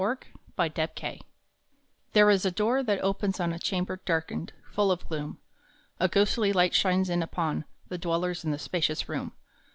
EH i TWO DOORS THERE is a door that opens on A chamber darkened, full of gloom. A ghostly light shines in upon The dwellers in this spacious room.